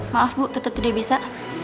maaf bu tetap dia bisa